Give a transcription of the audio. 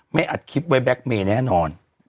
อัดคลิปไว้แก๊กเมย์แน่นอน